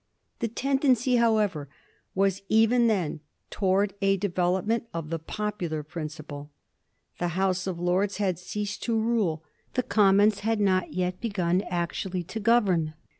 The tendency, however, was even then towards a development of the popular principle. The House of Lords had ceased to rule ; the Commons had not yet begun actually to govern.